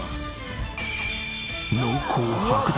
濃厚白濁！